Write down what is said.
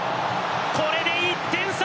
これで１点差。